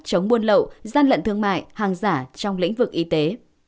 chống buôn lậu gian lận thương mại hàng giả trong lĩnh vực y tế